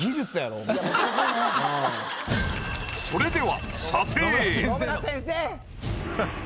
それでは。